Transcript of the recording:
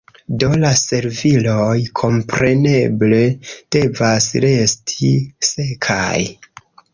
Do la serviloj, kompreneble, devas resti sekaj.